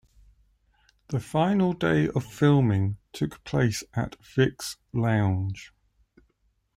The final day of filming took place at Vic's lounge.